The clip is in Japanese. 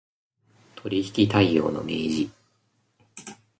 取引態様の明示